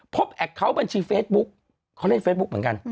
แอคเคาน์บัญชีเฟซบุ๊กเขาเล่นเฟซบุ๊กเหมือนกัน